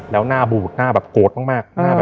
แล้วหน้าบูดหน้าแบบโกรธมาก